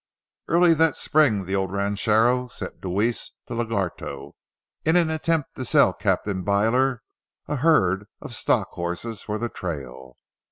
Early that spring the old ranchero sent Deweese to Lagarto in an attempt to sell Captain Byler a herd of horse stock for the trail.